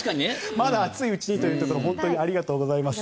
まだ暑いうちにというところ本当にありがとうございます。